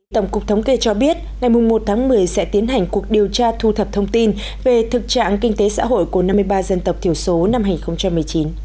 tổng cục thống kê cho biết ngày một tháng một mươi sẽ tiến hành cuộc điều tra thu thập thông tin về thực trạng kinh tế xã hội của năm mươi ba dân tộc thiểu số năm hai nghìn một mươi chín